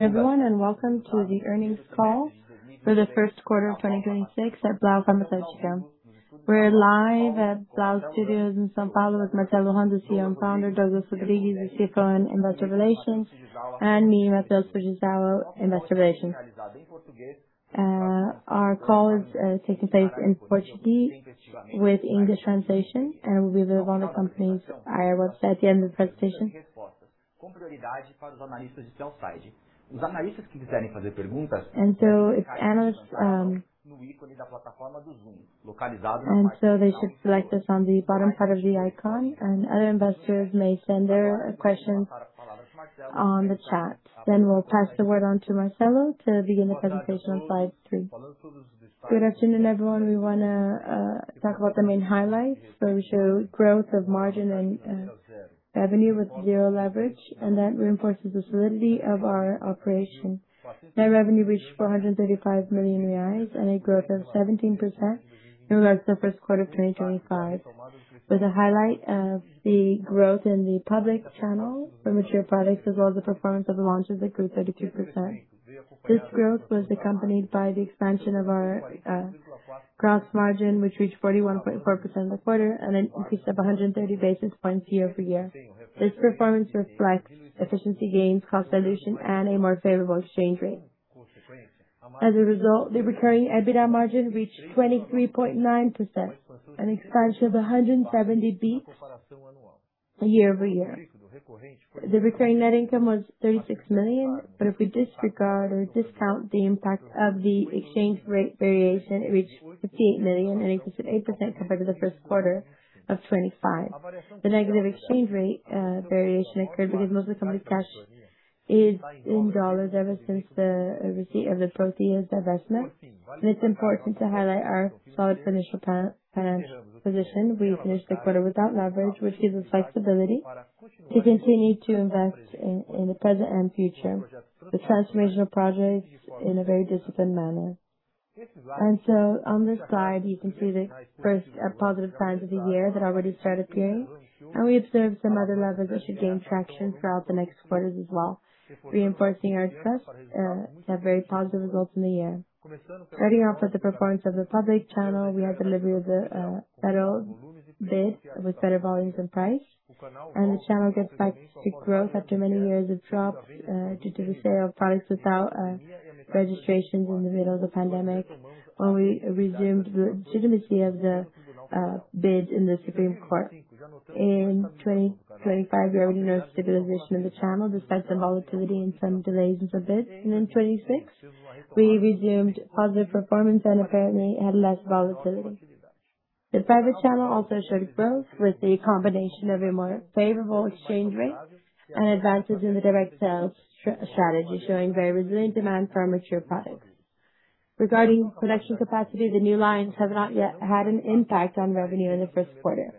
Everyone, welcome to the earnings call for the first quarter of 2026 at Blau Farmacêutica. We're live at Blau Studios in São Paulo with Marcelo Hahn, the CEO and Founder, Douglas Rodrigues, the CFO and Investor Relations, and me, Matheus Fujisawa, Investor Relations. Our call is taking place in Portuguese with English translation and will be available on the company's IR website at the end of the presentation. They should select us on the bottom part of the icon, and other investors may send their questions on the chat. We'll pass the word on to Marcelo to begin the presentation on slide 3. Good afternoon, everyone. We wanna talk about the main highlights, where we show growth of margin and revenue with zero leverage, and that reinforces the solidity of our operation. Net revenue reached 435 million reais and a growth of 17% over the first quarter of 2025, with a highlight of the growth in the public channel for mature products as well as the performance of the launches that grew 32%. This growth was accompanied by the expansion of our gross margin, which reached 41.4% in the quarter and then increased up 130 basis points year-over-year. This performance reflects efficiency gains, cost reduction, and a more favorable exchange rate. As a result, the recurring EBITDA margin reached 23.9%, an expansion of 170 basis points year-over-year. The recurring net income was 36 million, but if we disregard or discount the impact of the exchange rate variation, it reached 15 million, an increase of 8% compared to the first quarter of 2025. The negative exchange rate variation occurred because most of the company's cash is in U.S. dollars ever since the receipt of the Prothya investment. It's important to highlight our solid financial position. We finished the quarter without leverage, which gives us flexibility to continue to invest in the present and future with transformational projects in a very disciplined manner. On this slide, you can see the first positive signs of the year that already started appearing. We observed some other levers that should gain traction throughout the next quarters as well, reinforcing our trust to have very positive results in the year. Starting off with the performance of the public channel, we had delivery of the federal bids with better volumes and price. The channel gets back to growth after many years of drops due to the sale of products without registrations in the middle of the pandemic when we resumed the legitimacy of the bid in the Supreme Federal Court. In 2025, we already noticed stabilization of the channel despite some volatility and some delays in some bids. In 2026, we resumed positive performance and apparently had less volatility. The private channel also showed growth with the combination of a more favorable exchange rate and advances in the direct sales strategy, showing very resilient demand for our mature products. Regarding production capacity, the new lines have not yet had an impact on revenue in the first quarter.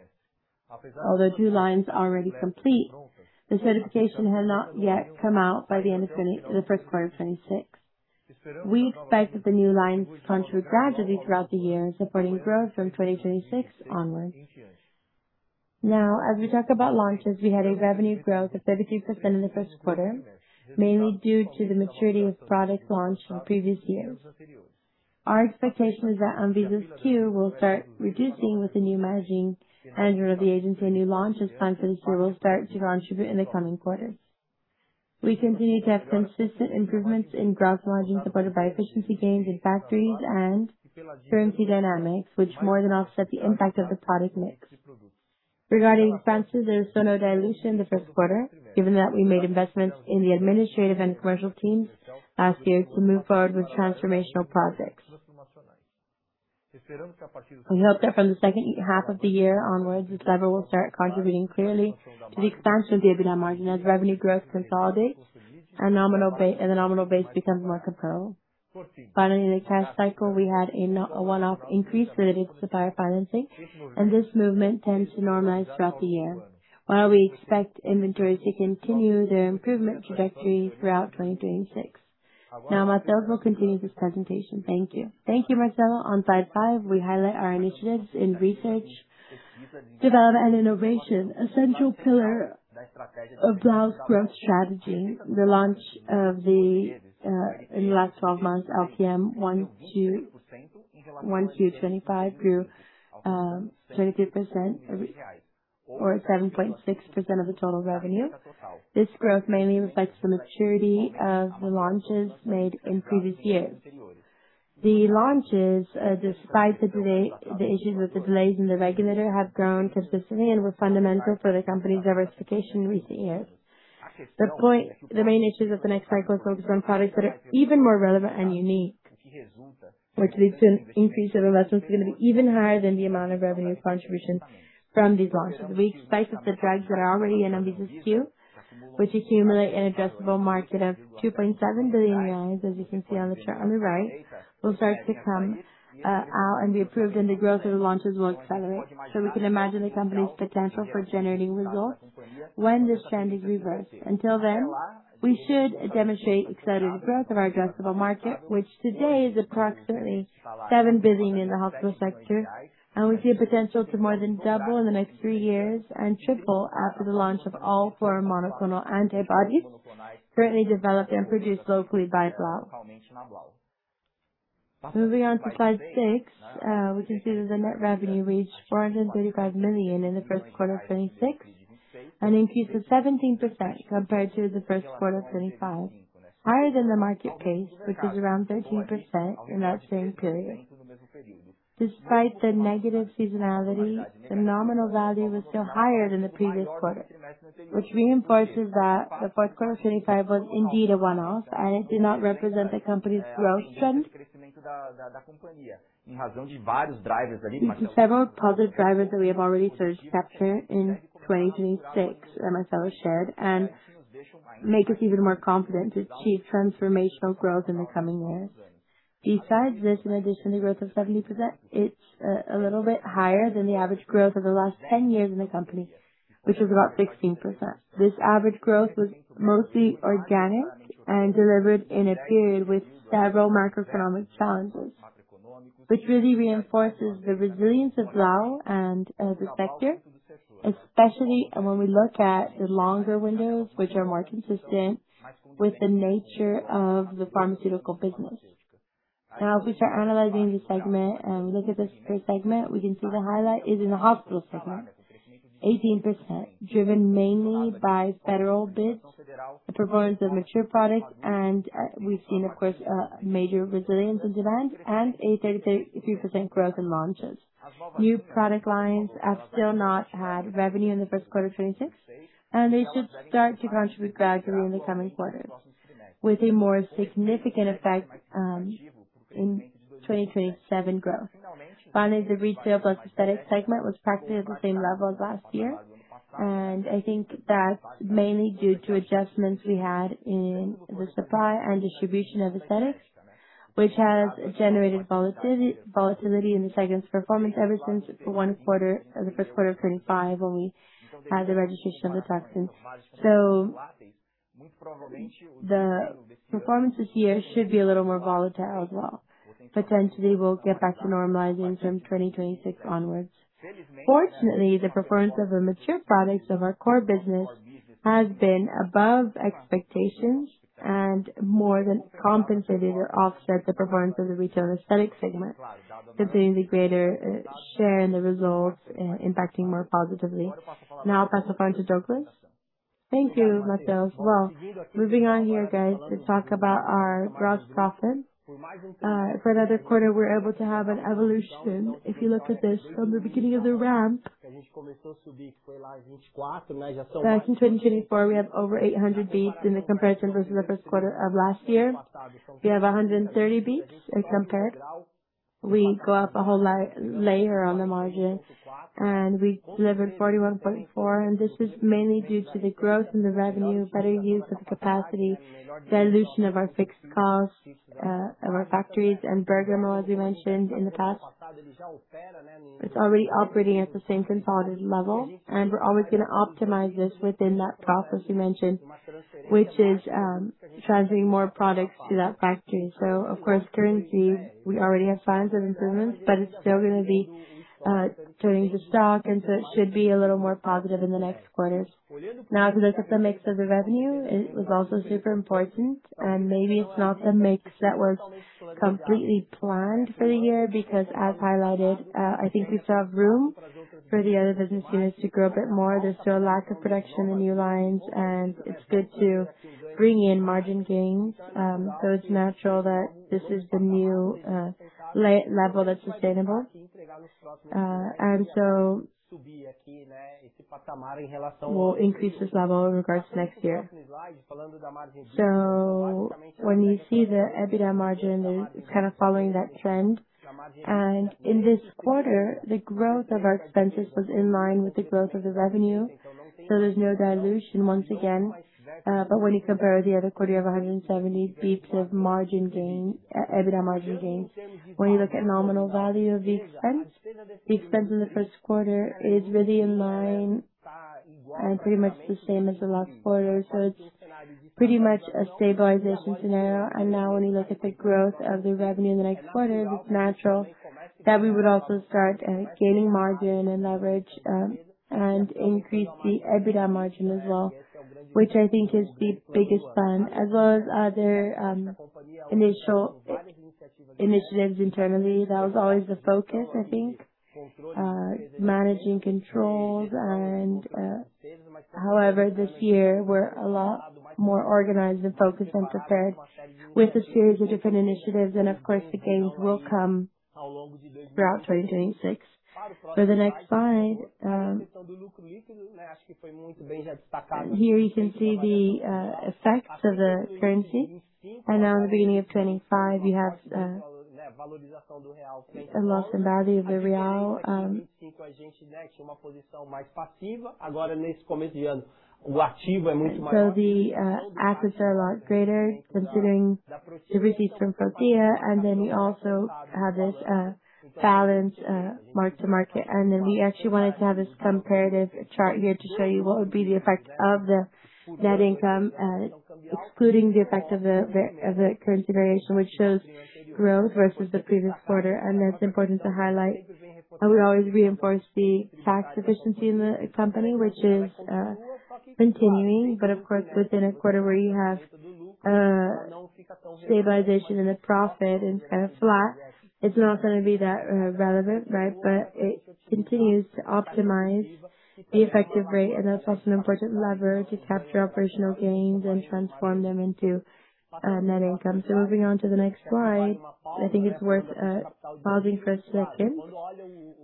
Although two lines are already complete, the certification has not yet come out by the end of the first quarter of 2026. We expect that the new lines contribute gradually throughout the year, supporting growth from 2026 onwards. As we talk about launches, we had a revenue growth of 33% in the first quarter, mainly due to the maturity of products launched in previous years. Our expectation is that ANVISA queue will start reducing with the new margin and with the agency of new launches planned for this year will start to contribute in the coming quarters. We continue to have consistent improvements in gross margin, supported by efficiency gains in factories and currency dynamics, which more than offset the impact of the product mix. Regarding expenses, there was no dilution in the first quarter, given that we made investments in the administrative and commercial teams last year to move forward with transformational projects. We hope that from the second half of the year onwards, this level will start contributing clearly to the expansion of the EBITDA margin as revenue growth consolidates and the nominal base becomes more comparable. In the cash cycle, we had a one-off increase related to supplier financing, and this movement tends to normalize throughout the year, while we expect inventories to continue their improvement trajectory throughout 2026. Matheus will continue this presentation. Thank you. Thank you, Marcelo. On slide 5, we highlight our initiatives in research, development, and innovation, a central pillar of Blau's growth strategy. The launch of the in the last 12 months, LPM 1225 grew 33% or 7.6% of the total revenue. This growth mainly reflects the maturity of the launches made in previous years. The launches, despite the issues with the delays in the regulator, have grown consistently and were fundamental for the company's diversification in recent years. The main issues of the next cycle is focused on products that are even more relevant and unique, which leads to an increase of investments that are gonna be even higher than the amount of revenue contribution from these launches. We expect that the drugs that are already in ANVISA queue, which accumulate an addressable market of 2.7 billion reais, as you can see on the chart on the right, will start to come out and be approved, and the growth of the launches will accelerate. We can imagine the company's potential for generating results when this trend is reversed. Until then, we should demonstrate accelerated growth of our addressable market, which today is approximately 7 billion in the hospital sector. We see a potential to more than double in the next three years and triple after the launch of all four monoclonal antibodies currently developed and produced locally by Blau. Moving on to slide 6, we can see that the net revenue reached 435 million in the first quarter of 2026. An increase of 17% compared to the first quarter of 2025. Higher than the market pace, which was around 13% in that same period. Despite the negative seasonality, the nominal value was still higher than the previous quarter, which reinforces that the fourth quarter of 2025 was indeed a one-off, and it did not represent the company's growth trend. There's several positive drivers that we have already discussed here in 2026 that Macelo shared and make us even more confident to achieve transformational growth in the coming years. Besides this, in addition, the growth of 70%, it's a little bit higher than the average growth of the last 10 years in the company, which is about 16%. This average growth was mostly organic and delivered in a period with several macroeconomic challenges, which really reinforces the resilience of Blau and the sector, especially when we look at the longer windows which are more consistent with the nature of the pharmaceutical business. If we start analyzing the segment and look at this per segment, we can see the highlight is in the hospital segment, 18%, driven mainly by federal bids, the performance of mature products, and we've seen, of course, a major resilience in demand and a 33% growth in launches. New product lines have still not had revenue in the first quarter of 2026. They should start to contribute gradually in the coming quarters with a more significant effect in 2027 growth. Finally, the retail plus aesthetic segment was practically at the same level as last year, and I think that's mainly due to adjustments we had in the supply and distribution of aesthetics, which has generated volatility in the segment's performance ever since the first quarter of 2025 when we had the registration of Detox. The performance this year should be a little more volatile as well. Potentially, we'll get back to normalizing from 2026 onwards. Fortunately, the performance of the mature products of our core business has been above expectations and more than compensated or offset the performance of the retail aesthetic segment, continuing the greater share in the results, impacting more positively. I'll pass the phone to Douglas. Thank you, Matheus. Well, moving on here, guys, let's talk about our gross profit. For another quarter, we were able to have an evolution. If you look at this from the beginning of the round, back in 2024, we have over 800 basis points in the comparison versus the first quarter of last year. We have 130 basis points in compared. We go up a whole layer on the margin, and we delivered 41.4, and this is mainly due to the growth in the revenue, better use of the capacity, dilution of our fixed costs of our factories, and Bergamo, as we mentioned in the past. It's already operating at the same consolidated level, and we're always gonna optimize this within that process we mentioned, which is transferring more products to that factory. Of course, currency, we already have signs of improvements, but it's still gonna be turning the stock, it should be a little more positive in the next quarters. To look at the mix of the revenue, it was also super important, and maybe it's not the mix that was completely planned for the year because as highlighted, I think we still have room for the other business units to grow a bit more. There's still a lack of production in new lines, and it's good to bring in margin gains. It's natural that this is the new level that's sustainable. We'll increase this level in regards to next year. When you see the EBITDA margin is kind of following that trend. In this quarter, the growth of our expenses was in line with the growth of the revenue, so there's no dilution once again. When you compare the other quarter, you have 170 basis points of EBITDA margin gains. When you look at nominal value of the expense, the expense in the first quarter is really in line and pretty much the same as the last quarter. It's pretty much a stabilization scenario. Now when you look at the growth of the revenue in the next quarters, it's natural that we would also start gaining margin and leverage and increase the EBITDA margin as well, which I think is the biggest plan as well as other initial initiatives internally. That was always the focus, I think, managing controls. However, this year we're a lot more organized and focused and prepared with a series of different initiatives and of course, the gains will come throughout 2026. The next slide, here you can see the effects of the currency. Now the beginning of 25, you have a loss in value of the real. The assets are a lot greater considering the receipts from Prothya. We also have this balance mark to market. We actually wanted to have this comparative chart here to show you what would be the effect of the net income, excluding the effect of the currency variation, which shows growth versus the previous quarter. That's important to highlight. I would always reinforce the tax efficiency in the company, which is. Continuing, of course, within a quarter where you have stabilization in the profit and it's kinda flat, it's not gonna be that relevant. It continues to optimize the effective rate, and that's also an important lever to capture operational gains and transform them into net income. Moving on to the next slide, and I think it's worth pausing for a second.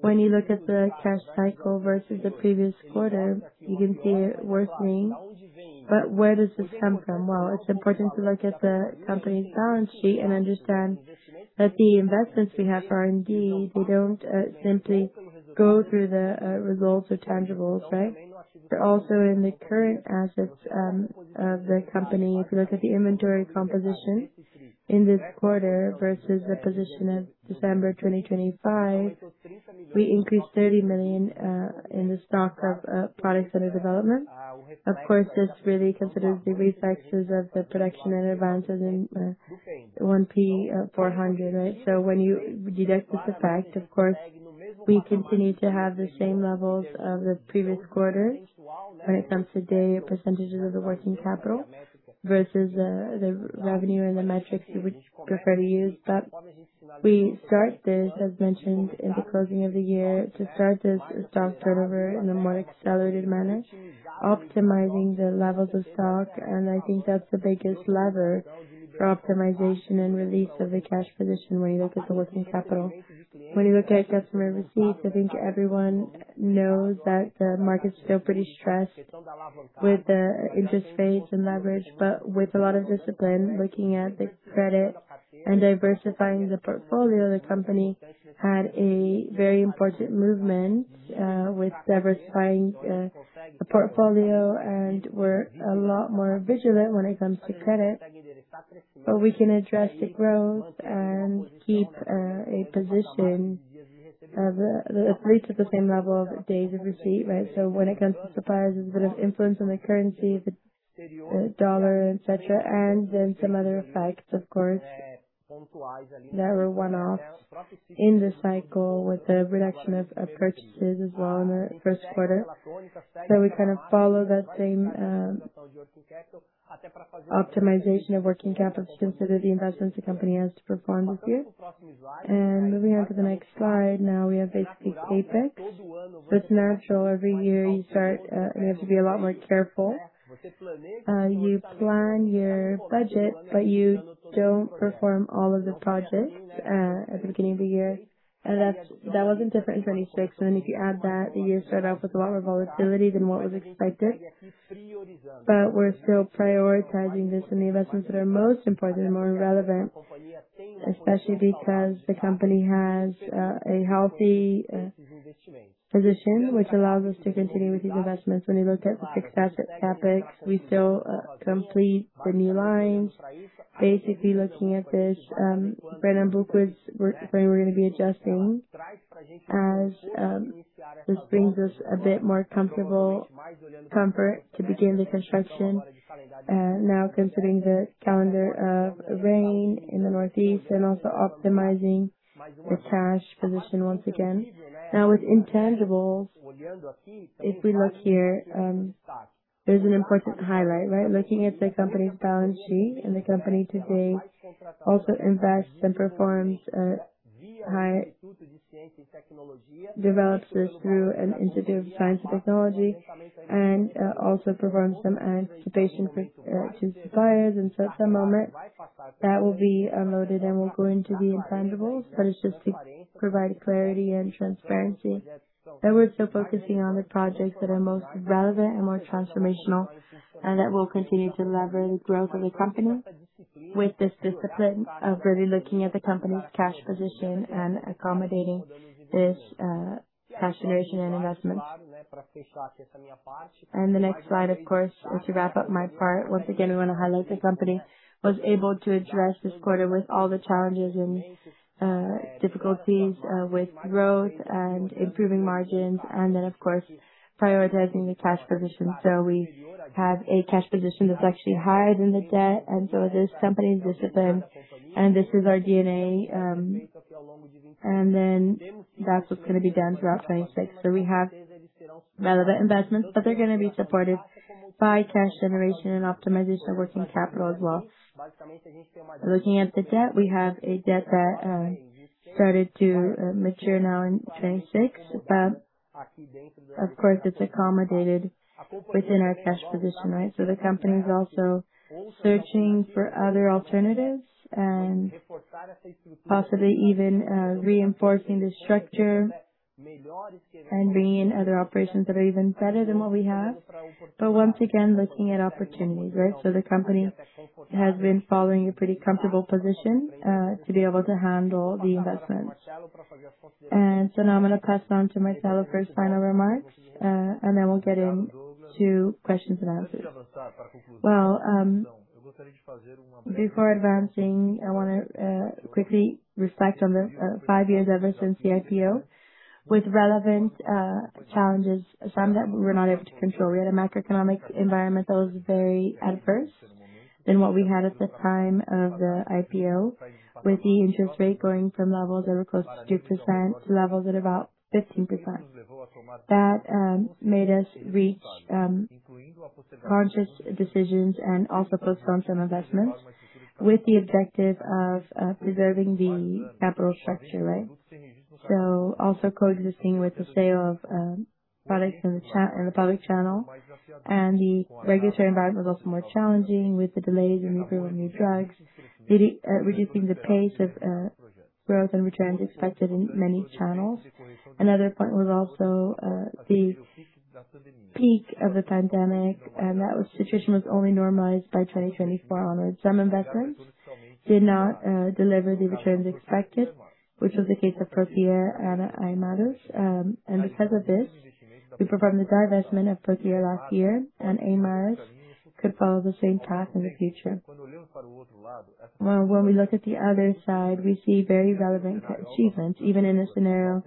When you look at the cash cycle versus the previous quarter, you can see it worsening. Where does this come from? Well, it's important to look at the company's balance sheet and understand that the investments we have for R&D, they don't simply go through the results or tangibles. They're also in the current assets of the company. If you look at the inventory composition in this quarter versus the position of December 2025, we increased 30 million in the stock of products that are in development. Of course, this really considers the reflexes of the production and advances in one P400, right? When you deduct this effect, of course, we continue to have the same levels of the previous quarter when it comes to data percentages of the working capital versus the revenue and the metrics you would prefer to use. We start this, as mentioned in the closing of the year, to start this stock turnover in a more accelerated manner, optimizing the levels of stock, and I think that's the biggest lever for optimization and release of the cash position when you look at the working capital. When you look at customer receipts, I think everyone knows that the market's still pretty stressed with the interest rates and leverage, but with a lot of discipline, looking at the credit and diversifying the portfolio, the company had a very important movement, with diversifying the portfolio, and we're a lot more vigilant when it comes to credit. We can address the growth and keep a position of at least the same level of days of receipt, right? When it comes to suppliers, there's a bit of influence on the currency, the dollar, et cetera, and then some other effects, of course, that were one-offs in the cycle with the reduction of purchases as well in our first quarter. We kind of follow that same optimization of working capital to consider the investments the company has to perform this year. Moving on to the next slide, now we have basically CapEx. It's natural every year you start, you have to be a lot more careful. You plan your budget, but you don't perform all of the projects at the beginning of the year. That wasn't different in 2026. If you add that, the year started off with a lot more volatility than what was expected. We're still prioritizing this in the investments that are most important and more relevant, especially because the company has a healthy position, which allows us to continue with these investments. When you look at the fixed asset CapEx, we still complete the new lines. Basically, looking at this, Pernambuco's work where we're gonna be adjusting as, this brings us a bit more comfort to begin the construction, now considering the calendar of rain in the Northeast and also optimizing the cash position once again. Now, with intangibles, if we look here, there's an important highlight, right? Looking at the company's balance sheet, the company today also invests and develops this through an Institute of Science and Technology and also performs some anticipation for to suppliers. At some moment, that will be unloaded and will go into the intangibles. It's just to provide clarity and transparency that we're still focusing on the projects that are most relevant and more transformational, and that will continue to lever the growth of the company with this discipline of really looking at the company's cash position and accommodating this cash generation and investment. The next slide, of course, is to wrap up my part. Once again, we want to highlight the company was able to address this quarter with all the challenges and difficulties with growth and improving margins, and then, of course, prioritizing the cash position. We have a cash position that's actually higher than the debt. There's company discipline, and this is our DNA, and then that's what's going to be done throughout 2026. We have relevant investments, but they're gonna be supported by cash generation and optimization of working capital as well. Looking at the debt, we have a debt that started to mature now in 2026, but of course, it's accommodated within our cash position, right? The company is also searching for other alternatives and possibly even reinforcing the structure and bringing in other operations that are even better than what we have. Once again, looking at opportunities, right? The company has been following a pretty comfortable position to be able to handle the investments. Now I'm gonna pass it on to Marcelo for his final remarks, and then we'll get into questions and answers. Well, before advancing, I wanna quickly reflect on the five years ever since the IPO with relevant challenges, some that we were not able to control. We had a macroeconomic environment that was very adverse. Than what we had at the time of the IPO, with the interest rate going from levels that were close to 2% to levels at about 15%. That made us reach conscious decisions and also postpone some investments with the objective of preserving the capital structure, right? Also coexisting with the sale of products in the public channel. The regulatory environment was also more challenging with the delays in reviewing new drugs, reducing the pace of growth and returns expected in many channels. Another point was also the peak of the pandemic, and that situation was only normalized by 2024 onwards. Some investments did not deliver the returns expected, which was the case of Prothya and Hemarus. Because of this, we performed the divestment of Proclea last year, and Hemarus could follow the same path in the future. Well, when we look at the other side, we see very relevant achievements, even in a scenario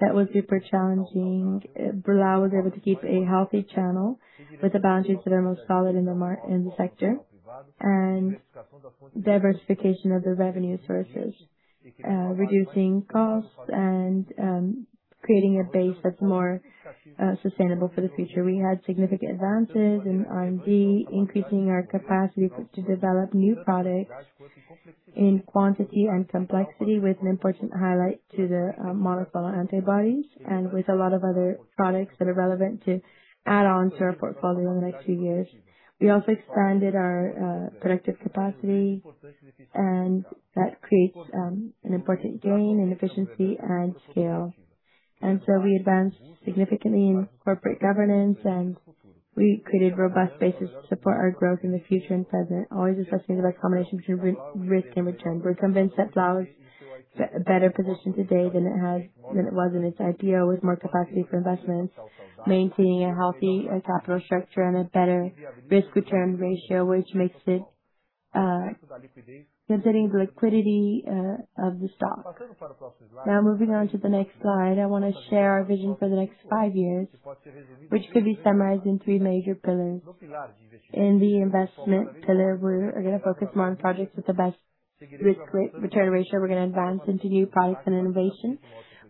that was super challenging. Blau was able to keep a healthy channel with the boundaries that are most solid in the sector and diversification of the revenue sources, reducing costs and creating a base that's more sustainable for the future. We had significant advances in R&D, increasing our capacity to develop new products in quantity and complexity, with an important highlight to the monoclonal antibodies and with a lot of other products that are relevant to add on to our portfolio in the next few years. We also expanded our productive capacity, that creates an important gain in efficiency and scale. We advanced significantly in corporate governance, and we created robust basis to support our growth in the future and present, always assessing the best combination between risk and return. We're convinced that Blau is better positioned today than it was in its IPO, with more capacity for investments, maintaining a healthy capital structure and a better risk-return ratio, which makes it considering the liquidity of the stock. Now, moving on to the next slide, I want to share our vision for the next five years, which could be summarized in three major pillars. In the investment pillar, we're gonna focus more on projects with the best risk-return ratio. We're gonna advance into new products and innovation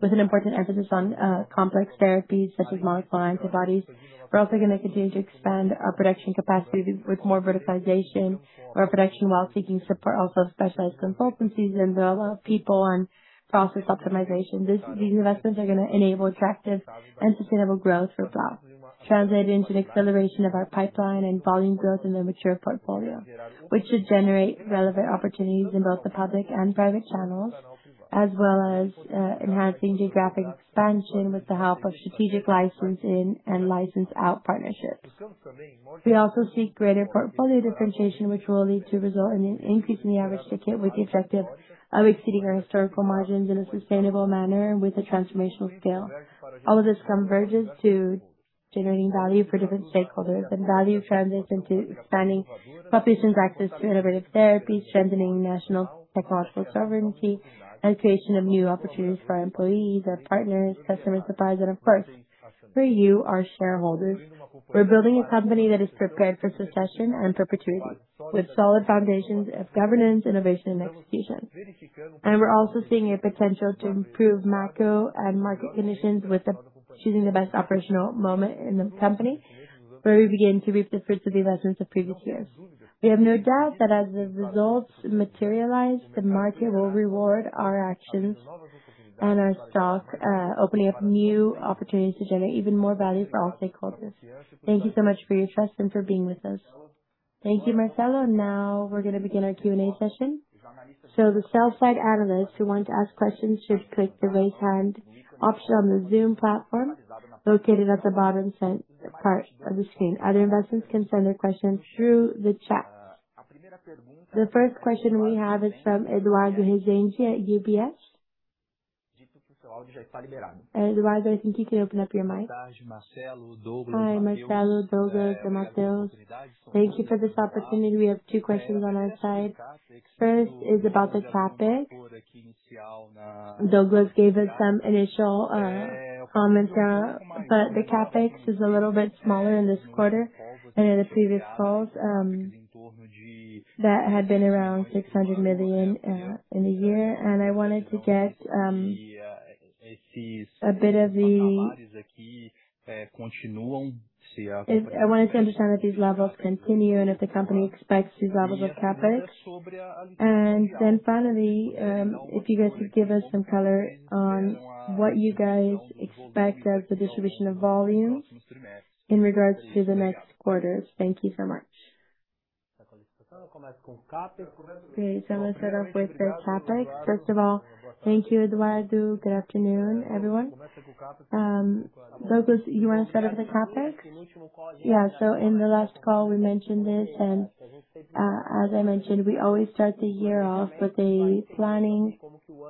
with an important emphasis on complex therapies such as monoclonal antibodies. We're also gonna continue to expand our production capacity with more verticalization. We're producing while seeking support also of specialized consultancies and develop people on process optimization. These investments are gonna enable attractive and sustainable growth for Blau, translate into the acceleration of our pipeline and volume growth in the mature portfolio, which should generate relevant opportunities in both the public and private channels, as well as enhancing geographic expansion with the help of strategic license-in and license-out partnerships. We also seek greater portfolio differentiation, which will lead to result in an increase in the average ticket with the objective of exceeding our historical margins in a sustainable manner and with a transformational scale. All of this converges to generating value for different stakeholders. Value translates into expanding populations' access to innovative therapies, strengthening national technological sovereignty, and creation of new opportunities for our employees, our partners, customers, suppliers, and of course, for you, our shareholders. We're building a company that is prepared for succession and perpetuity, with solid foundations of governance, innovation, and execution. We're also seeing a potential to improve macro and market conditions choosing the best operational moment in the company, where we begin to reap the fruits of the investments of previous years. We have no doubt that as the results materialize, the market will reward our actions and our stock, opening up new opportunities to generate even more value for all stakeholders. Thank you so much for your trust and for being with us. Thank you, Marcelo. Now we're gonna begin our Q&A session. The sell side analysts who want to ask questions should click the Raise Hand option on the Zoom platform located at the bottom part of the screen. Other investors can send their questions through the chat. The first question we have is from Eduardo Resende at UBS. Eduardo, I think you can open up your mic. Hi, Marcelo, Douglas, and Matheus. Thank you for this opportunity. We have 2 questions on our side. First is about the CapEx. Douglas gave us some initial comments, but the CapEx is a little bit smaller in this quarter and in the previous calls, that had been around 600 million in the year. I wanted to get a bit of the I wanted to understand if these levels continue and if the company expects these levels of CapEx. Finally, if you guys could give us some color on what you guys expect of the distribution of volumes in regards to the next quarters. Thank you so much. I'm gonna start off with the CapEx. First of all, thank you, Eduardo. Good afternoon, everyone. Douglas, you wanna start off with the CapEx? Yeah. In the last call we mentioned this, and, as I mentioned, we always start the year off with a planning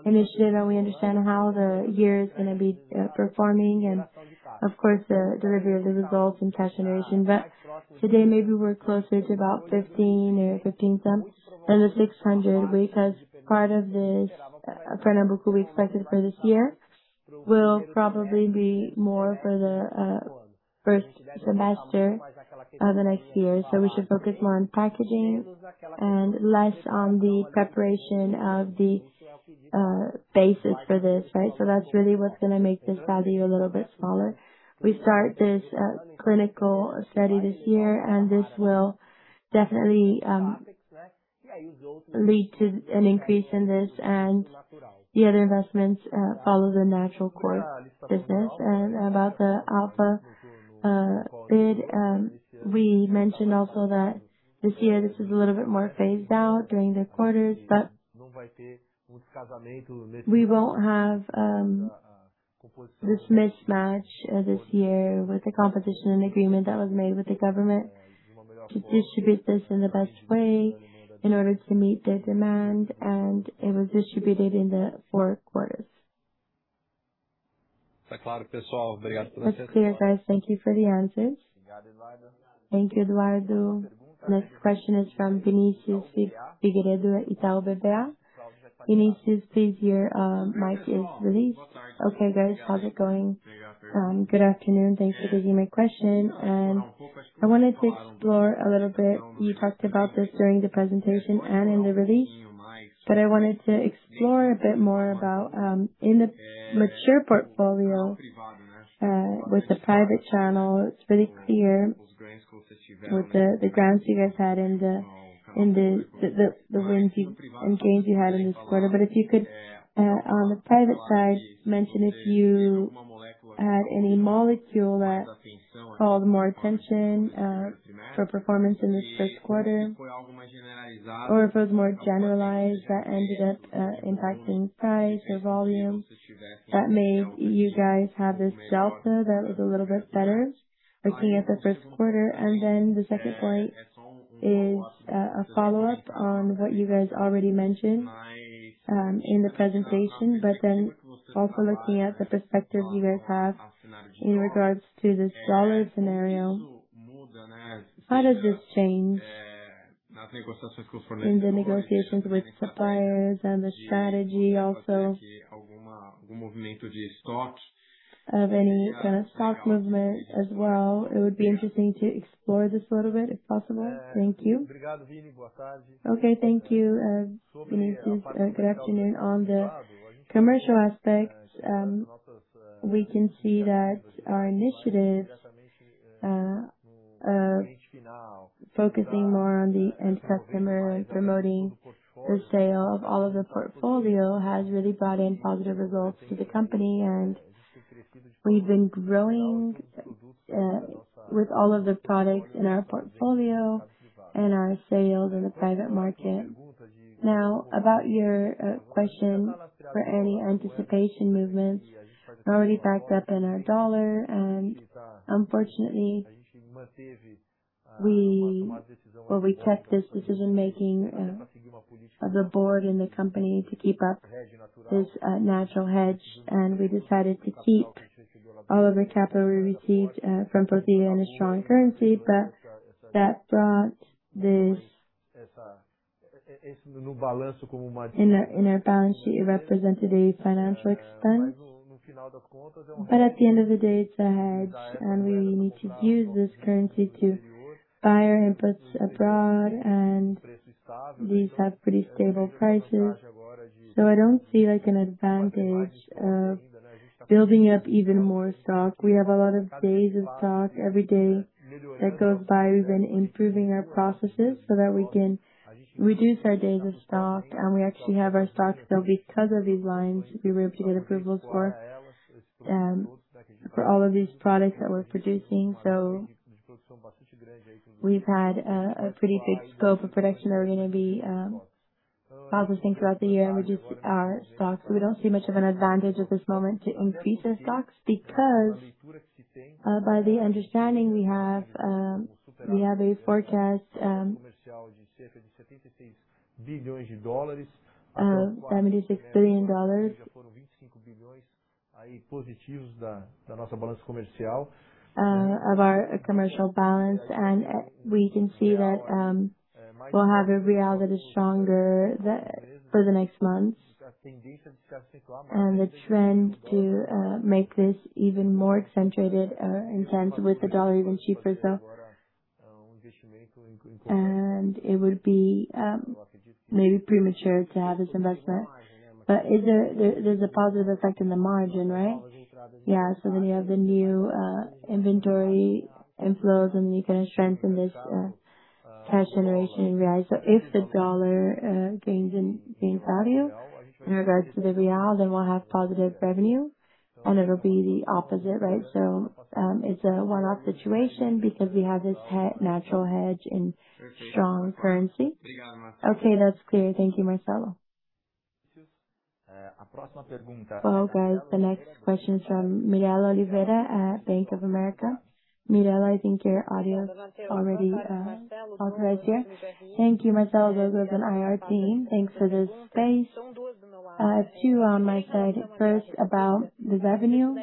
initiative, and we understand how the year is gonna be performing and of course, the review of the results and cash generation. Today maybe we're closer to about 15 or 15 some than the 600, which is part of this, for number who we expected for this year. Will probably be more for the first semester of the next year. We should focus more on packaging and less on the preparation of the basis for this, right? That's really what's gonna make this value a little bit smaller. We start this clinical study this year, and this will definitely lead to an increase in this and the other investments follow the natural course business. About the Alfa bid, we mentioned also that this year this is a little bit more phased out during the quarters, but we won't have this mismatch this year with the composition and agreement that was made with the government to distribute this in the best way in order to meet the demand. It was distributed in the four quarters. That's clear, guys. Thank you for the answers. Thank you, Eduardo. Next question is from Vinicius Figueiredo at Itaú BBA. Vinicius, please your mic is released. Okay, guys. How's it going? Good afternoon. Thanks for taking my question. I wanted to explore a little bit, you talked about this during the presentation and in the release, but I wanted to explore a bit more about in the mature portfolio, with the private channel, it's really clear with the grounds you guys had in the wins you and gains you had in this quarter. If you could, on the private side, mention if you had any molecule that called more attention for performance in this first quarter? If it was more generalized that ended up impacting price or volume that made you guys have this delta that was a little bit better looking at the first quarter. The second point is a follow-up on what you guys already mentioned in the presentation, also looking at the perspective you guys have in regards to this dollar scenario. How does this change in the negotiations with suppliers and the strategy also of any stock movement as well? It would be interesting to explore this a little bit, if possible. Thank you. Okay. Thank you, Vinicius. Good afternoon. On the commercial aspect, we can see that our initiatives focusing more on the end customer and promoting the sale of all of the portfolio has really brought in positive results to the company, and we've been growing with all of the products in our portfolio and our sales in the private market. About your question for any anticipation movements, we're already backed up in our dollar, and unfortunately, we kept this decision-making of the board and the company to keep up this natural hedge, and we decided to keep all of the capital we received from Prothya in a strong currency, but that brought this in our balance sheet, it represented a financial expense. At the end of the day, it's a hedge, and we will need to use this currency to buy our inputs abroad, and these have pretty stable prices. I don't see, like, an advantage of building up even more stock. We have a lot of days of stock. Every day that goes by, we've been improving our processes so that we can reduce our days of stock. We actually have our stock still because of these lines we repeated approvals for all of these products that we're producing. We've had a pretty big scope of production that we're gonna be processing throughout the year and reduce our stocks. We don't see much of an advantage at this moment to increase our stocks because, by the understanding we have, we have a forecast, $76 billion of our commercial balance, and we can see that we'll have a Real that is stronger for the next months. The trend to make this even more accentuated or intense with the dollar even cheaper, so. It would be maybe premature to have this investment. There's a positive effect in the margin, right? Yeah. You have the new inventory inflows, and you can strengthen this cash generation in BRL. If the dollar gains value in regards to the BRL, then we'll have positive revenue, and it'll be the opposite, right? It's a 1-up situation because we have this natural hedge in strong currency. Okay. That's clear. Thank you, Marcelo. Guys, the next question is from Mirela Oliveira at Bank of America. Mirela, I think your audio is already authorized here. Thank you, Marcelo, Douglas, and IR team. Thanks for the space. I have two on my side. First, about the revenue.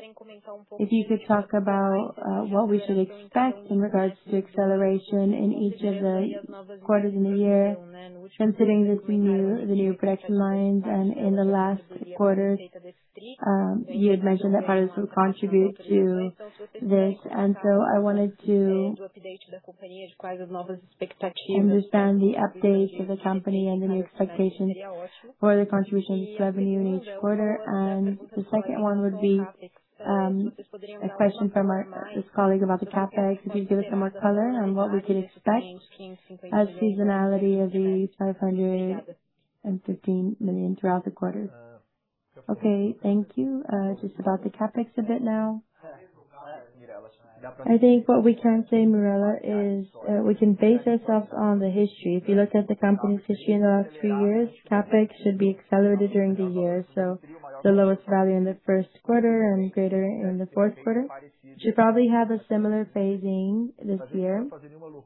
If you could talk about what we should expect in regards to acceleration in each of the quarters in the year. Considering the new production lines, in the last quarter, you had mentioned that part would contribute to this. I wanted to understand the updates of the company and the new expectations for the contribution of this revenue in each quarter. The second one would be a question from this colleague about the CapEx. Could you give us some more color on what we could expect as seasonality of the 515 million throughout the quarter? Okay. Thank you. Just about the CapEx a bit now. I think what we can say, Mirela, is we can base ourselves on the history. If you look at the company's history in the last three years, CapEx should be accelerated during the year. The lowest value in the 1st quarter and greater in the fourth quarter should probably have a similar phasing this year.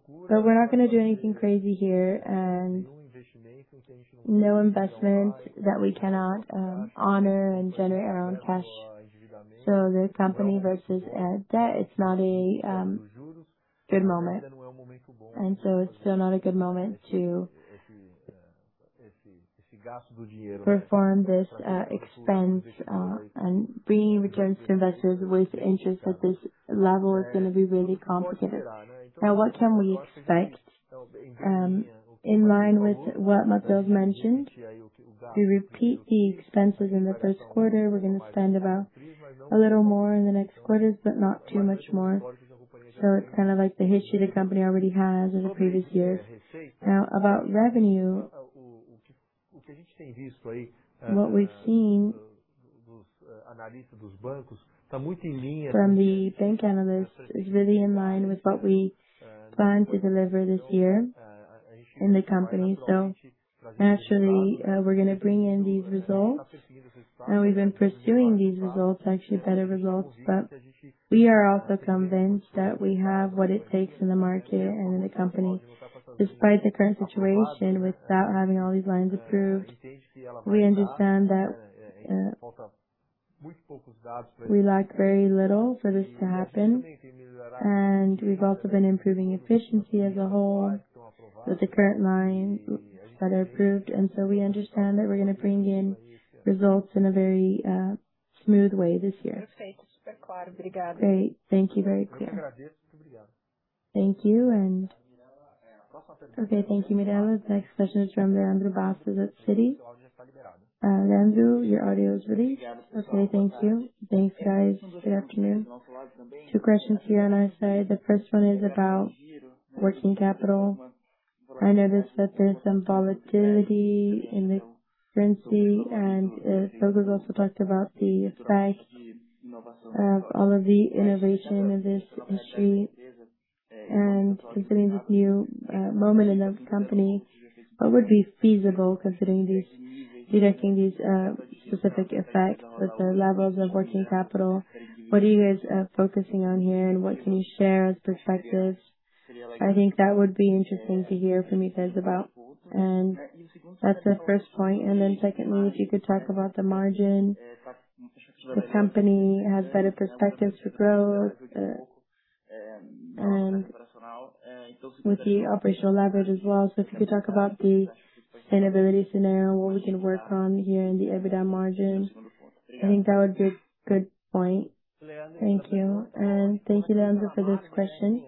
We're not gonna do anything crazy here and no investment that we cannot honor and generate our own cash. The company versus debt, it's not a good moment. It's still not a good moment to perform this expense and bringing returns to investors with interest at this level is gonna be really complicated. What can we expect in line with what Matheus mentioned? We repeat the expenses in the 1st quarter. We're gonna spend about a little more in the next quarters, but not too much more. It's kind of like the history the company already has in the previous years. About revenue, what we've seen from the bank analysts is really in line with what we plan to deliver this year in the company. Naturally, we're gonna bring in these results. We've been pursuing these results, actually better results, but we are also convinced that we have what it takes in the market and in the company, despite the current situation, without having all these lines approved. We understand that we lack very little for this to happen, and we've also been improving efficiency as a whole with the current lines that are approved. We understand that we're gonna bring in results in a very smooth way this year. Great. Thank you. Very clear. Thank you. Okay. Thank you, Mirela. The next question is from Leandro Bastos at Citi. Leandro, your audio is released. Okay. Thank you. Thanks, guys. Good afternoon. Two questions here on our side. The first one is about working capital. I noticed that there's some volatility in the currency, and Matheus also talked about the effect of all of the innovation in this industry. Considering this new moment in the company, what would be feasible considering these specific effects with the levels of working capital? What are you guys focusing on here, and what can you share as perspectives? I think that would be interesting to hear from you guys about. That's the first point. Then secondly, if you could talk about the margin. The company has better perspectives for growth, and with the operational leverage as well. If you could talk about the EBITDA scenario, what we can work on here in the EBITDA margin. I think that would be a good point. Thank you. Thank you, Leandro, for this question.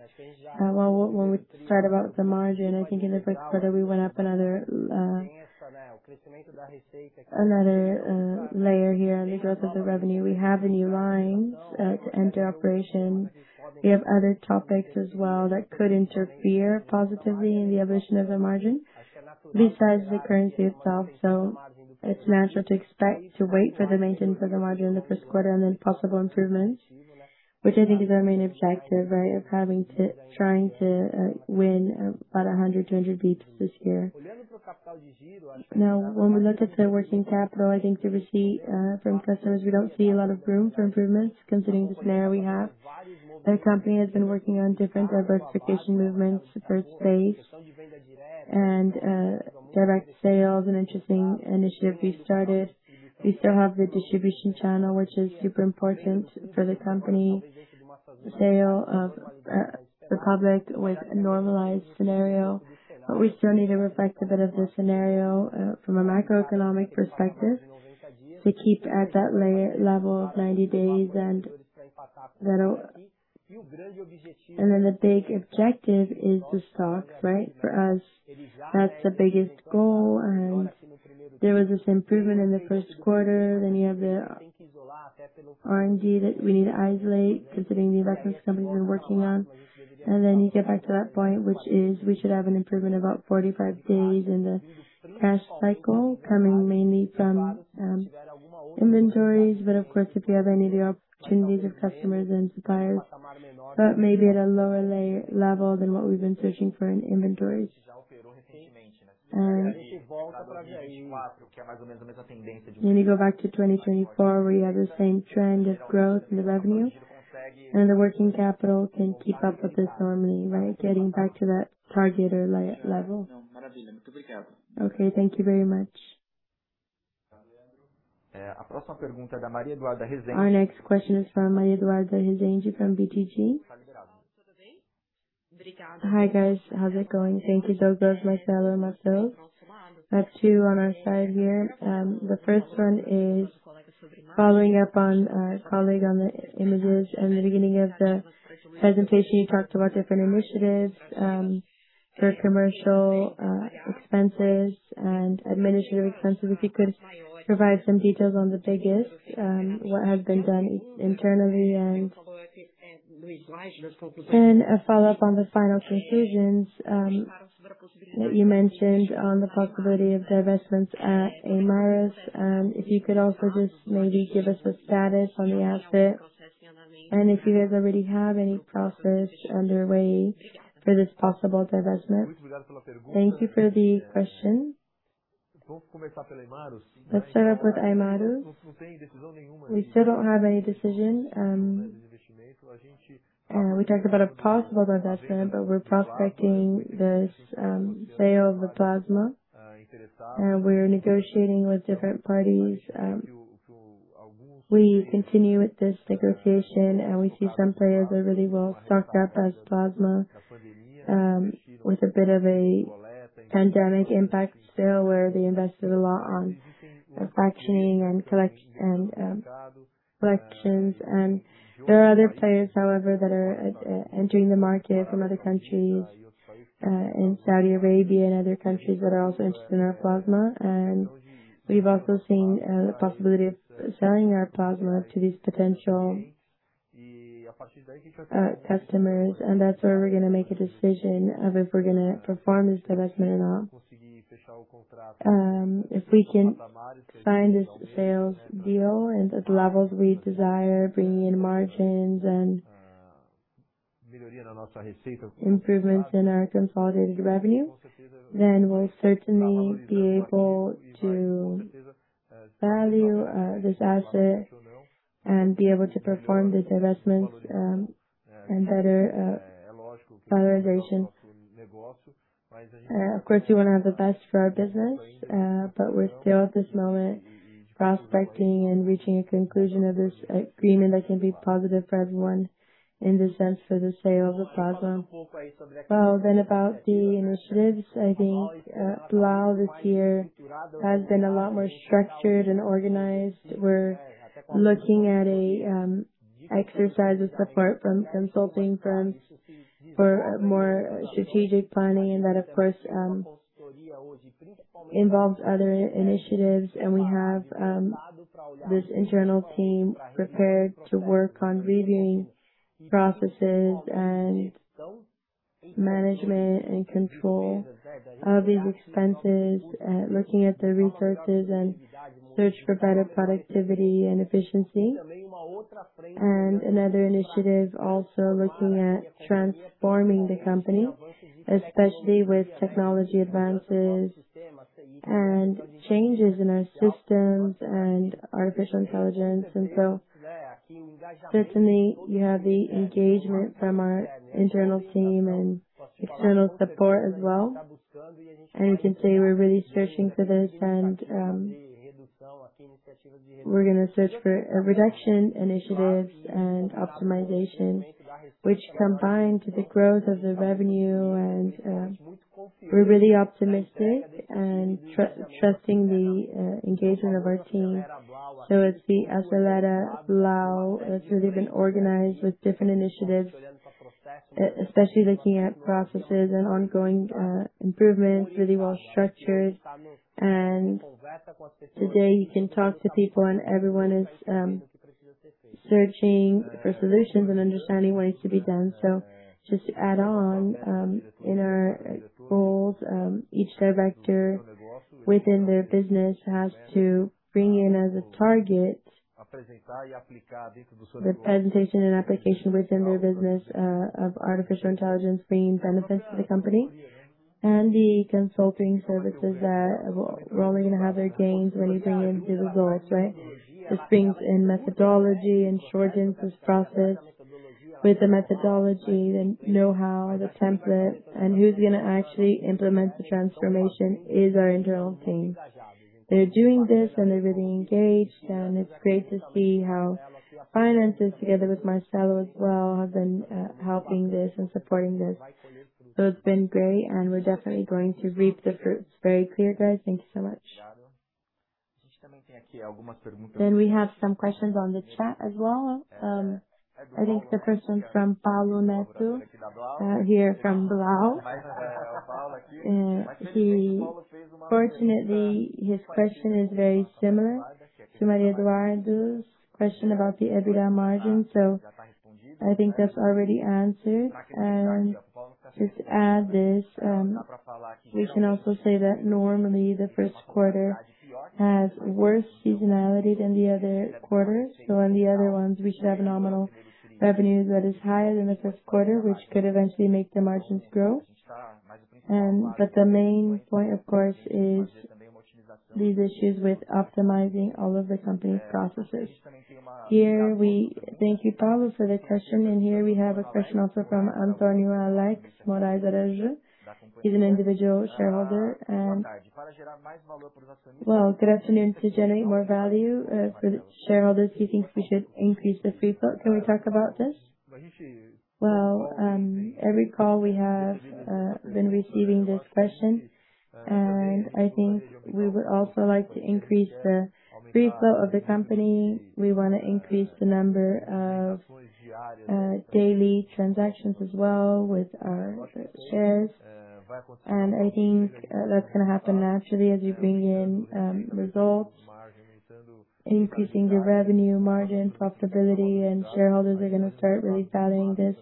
Well, when we start about the margin, I think in the first quarter we went up another layer here on the growth of the revenue. We have the new lines to enter operations. We have other topics as well that could interfere positively in the evolution of the margin besides the currency itself. It's natural to expect to wait for the maintenance of the margin in the first quarter and then possible improvements, which I think is our main objective, right? Trying to win about 100, 200 bps this year. When we look at the working capital, I think the receipt from customers, we don't see a lot of room for improvements considering the scenario we have. The company has been working on different diversification movements, the first phase, direct sales, an interesting initiative we started. We still have the distribution channel, which is super important for the company. The sale of Republic with normalized scenario, we still need to reflect a bit of the scenario from a macroeconomic perspective to keep at that level of 90 days. The big objective is the stock, right? For us, that's the biggest goal. There was this improvement in the 1st quarter. You have the R&D that we need to isolate considering the investments company's been working on. Then you get back to that point, which is we should have an improvement about 45 days in the cash cycle coming mainly from inventories. Of course, if we have any other opportunities of customers and suppliers, but maybe at a lower level than what we've been searching for in inventories. When you go back to 2024, where you have the same trend of growth in the revenue and the working capital can keep up with this normally, right, getting back to that target or level. Okay. Thank you very much. Our next question is from Maria Eduarda Resende from BTG. Hi, guys. How's it going? Thank you both, Marcelo and Matheus. I have two on our side here. The first one is following up on colleague on the images. In the beginning of the presentation, you talked about different initiatives for commercial expenses and administrative expenses. If you could provide some details on the biggest, what has been done internally. A follow-up on the final conclusions that you mentioned on the possibility of divestments at Hemarus. If you could also just maybe give us a status on the asset and if you guys already have any process underway for this possible divestment. Thank you for the question. Let's start off with Hemarus. We still don't have any decision. We talked about a possible divestment, but we're prospecting this sale of the plasma. We're negotiating with different parties. We continue with this negotiation. We see some players that really will stock up on plasma with a bit of a pandemic impact still, where they invested a lot on fractioning and collections. There are other players, however, that are entering the market from other countries in Saudi Arabia and other countries that are also interested in our plasma. We've also seen the possibility of selling our plasma to these potential customers. That's where we're gonna make a decision of if we're gonna perform this divestment or not. If we can sign this sales deal and at the levels we desire, bringing in margins and improvements in our consolidated revenue, we'll certainly be able to value this asset and be able to perform these divestments and better valorization. Of course, we wanna have the best for our business, but we're still at this moment prospecting and reaching a conclusion of this agreement that can be positive for everyone, in the sense for the sale of the plasma. About the initiatives, I think Blau this year has been a lot more structured and organized. We're looking at a exercise of support from consulting firms for a more strategic planning and that of course, involves other initiatives. We have this internal team prepared to work on reviewing processes and management and control of these expenses, looking at the resources and search for better productivity and efficiency. Another initiative also looking at transforming the company, especially with technology advances and changes in our systems and artificial intelligence. Certainly you have the engagement from our internal team and external support as well. We can say we're really searching for this, we're going to search for reduction initiatives and optimization, which combine to the growth of the revenue. We're really optimistic and trusting the engagement of our team. It's the Acelera Blau that's really been organized with different initiatives, especially looking at processes and ongoing improvements, really well-structured. Today, you can talk to people and everyone is searching for solutions and understanding what needs to be done. Just to add on, in our goals, each director within their business has to bring in as a target the presentation and application within their business of artificial intelligence bringing benefits to the company. The consulting services that we're only going to have their gains when you bring in good results, right. This brings in methodology and shortens this process. With the methodology, the know-how, the template, and who's going to actually implement the transformation is our internal team. They're doing this, and they're really engaged, and it's great to see how finances, together with Marcelo as well, have been helping this and supporting this. It's been great, and we're definitely going to reap the fruits. Very clear, guys. Thank you so much. We have some questions on the chat as well. I think the person from Paulo Neto, here from Blau. Fortunately, his question is very similar to Maria Eduarda Resende's question about the EBITDA margin. I think that's already answered. Just to add this, we can also say that normally the first quarter has worse seasonality than the other quarters. On the other ones, we should have nominal revenues that is higher than the first quarter, which could eventually make the margins grow. The main point, of course, is these issues with optimizing all of the company's processes. Thank you, Paulo Neto, for the question. Here we have a question also from Antonio Alex Morais Araujo. He's an individual shareholder. Well, good afternoon. To generate more value for the shareholders, he thinks we should increase the free float. Can we talk about this? Well, every call we have been receiving this question, and I think we would also like to increase the free float of the company. We want to increase the number of daily transactions as well with our shares. I think that's going to happen naturally as we bring in results, increasing the revenue margin profitability, and shareholders are going to start really valuing this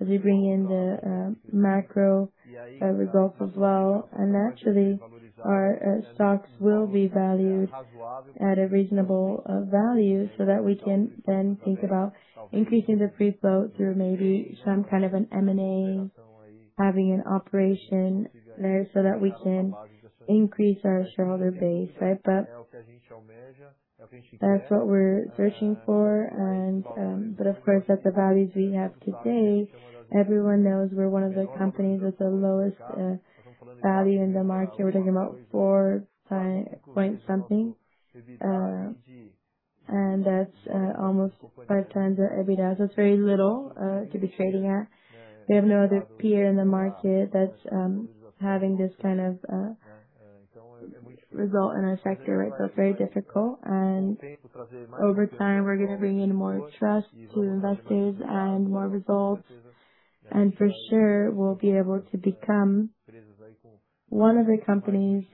as we bring in the macro results as well. Naturally, our stocks will be valued at a reasonable value so that we can then think about increasing the free float through maybe some kind of an M&A, having an operation there so that we can increase our shareholder base, right? That's what we are searching for, of course, at the values we have today, everyone knows we are one of the companies with the lowest value in the market. We are talking about four point something. That is almost five times our EBITDA. It's very little to be trading at. We have no other peer in the market that's having this kind of result in our sector, right? It's very difficult. Over time, we're gonna bring in more trust to investors and more results. For sure, we'll be able to become one of the companies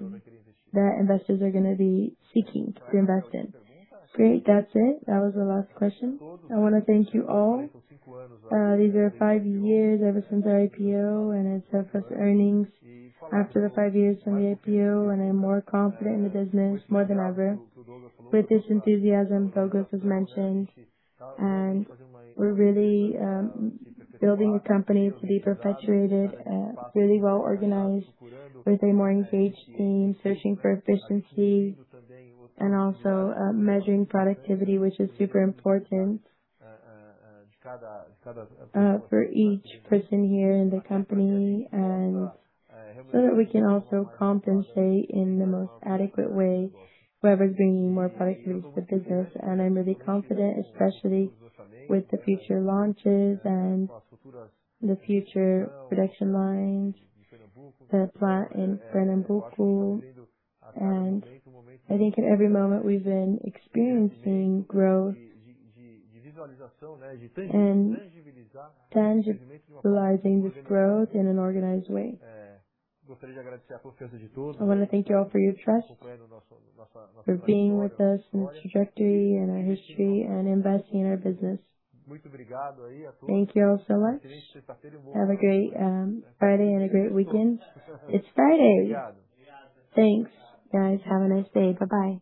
that investors are gonna be seeking to invest in. Great. That's it. That was the last question. I wanna thank you all. These are five years ever since our IPO, and it's our first earnings after the five years from the IPO, and I'm more confident in the business more than ever. With this enthusiasm, focus was mentioned. We're really building a company to be perpetuated, really well-organized with a more engaged team, searching for efficiency and also measuring productivity, which is super important for each person here in the company, and so that we can also compensate in the most adequate way whoever is bringing more productivity to the business. I'm really confident, especially with the future launches and the future production lines, the plant in Pernambuco. I think in every moment we've been experiencing growth and tangibilizing this growth in an organized way. I wanna thank you all for your trust, for being with us in this trajectory and our history and investing in our business. Thank you all so much. Have a great Friday and a great weekend. It's Friday. Thanks, guys. Have a nice day. Bye-bye.